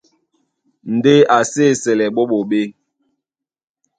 Ndé a sí esɛlɛ ɓó ɓoɓé.